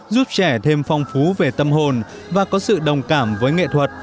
giúp trẻ thêm phong phú về tâm hồn và có sự đồng cảm với nghệ thuật